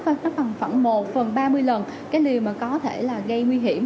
nó bằng khoảng một phần ba mươi lần cái liều mà có thể là gây nguy hiểm